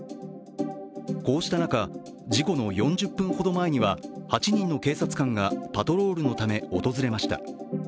こうした中、事故の４０分ほど前には、８人の警察官がパトロールのため訪れました。